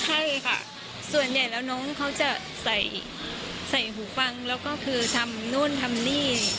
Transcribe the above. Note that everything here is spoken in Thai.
ใช่ค่ะส่วนใหญ่แล้วน้องเขาจะใส่หูฟังแล้วก็คือทำนู่นทำนี่